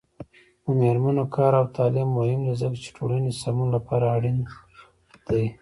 د میرمنو کار او تعلیم مهم دی ځکه چې ټولنې سمون لپاره اړین دی.